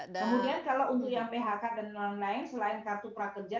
kemudian kalau untuk yang phk dan lain lain selain kartu prakerja